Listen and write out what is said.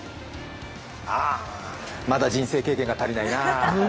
あー、まだ人生経験が足りないなぁ。